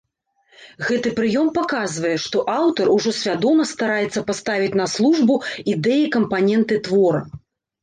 Гэты прыём паказвае, што аўтар ужо свядома стараецца паставіць на службу ідэі кампаненты твора.